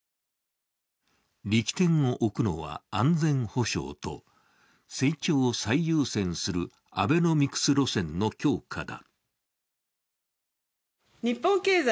力点を置くのは安全保障と成長を最優先するアベノミクス路線の強化だ。